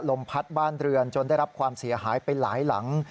ลมพัดบ้านเรือนจนได้รับความเสียหายไปหลายหลัง